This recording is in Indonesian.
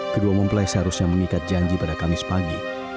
kedua mempelai seharusnya mengikat janji pada kamis pagi